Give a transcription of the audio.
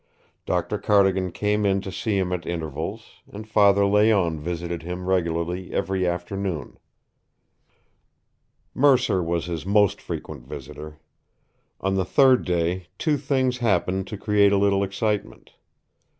Doctor Cardigan came in to see him at intervals, and Father Layonne visited him regularly every afternoon. Mercer was his most frequent visitor. On the third day two things happened to create a little excitement.